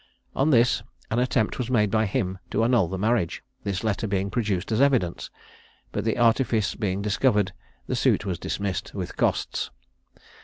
On this, an attempt was made by him to annul the marriage, this letter being produced as evidence; but the artifice being discovered, the suit was dismissed, with costs.